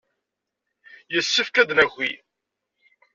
Yessefk ad d-naki.